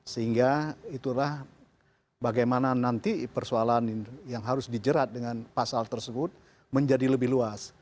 sehingga itulah bagaimana nanti persoalan yang harus dijerat dengan pasal tersebut menjadi lebih luas